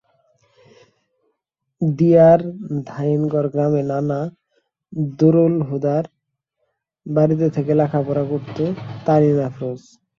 দিয়াড় ধাইনগর গ্রামে নানা দুরুল হোদার বাড়িতে থেকে লেখাপড়া করত তারিন আফরোজ।